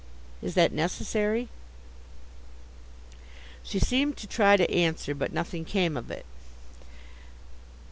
Is that necessary?' She seemed to try to answer, but nothing came of it.